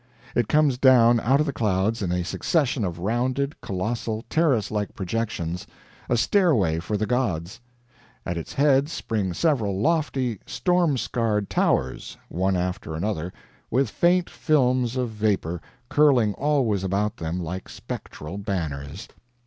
It comes down out of the clouds in a succession of rounded, colossal, terracelike projections a stairway for the gods; at its head spring several lofty storm scarred towers, one after another, with faint films of vapor curling always about them like spectral banners.